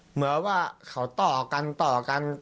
เหมือนว่าเขาต่อกันต่อกัน